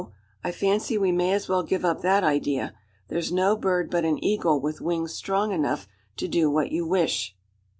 I fancy we may as well give up that idea. There's no bird but an eagle with wing strong enough to do what you wish."